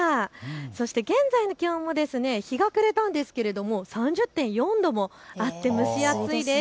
そして現在の気温も日が暮れたんですけども３０．４度もあって蒸し暑いです。